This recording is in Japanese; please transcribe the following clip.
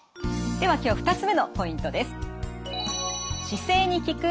では今日２つ目のポイントです。